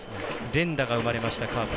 連打が生まれましたカープ。